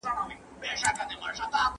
زه بايد کالي وچوم!!